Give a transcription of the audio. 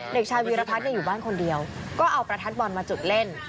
เด็กชายวีรพัฒน์อยู่บ้านคนเดียวก็เอาประทัดบอลมาจุดเล่น